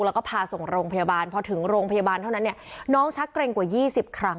แล้วก็พาส่งโรงพยาบาลพอถึงโรงพยาบาลเท่านั้นเนี่ยน้องชักเกร็งกว่า๒๐ครั้ง